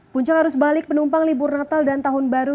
puncak arus balik penumpang libur natal dan tahun baru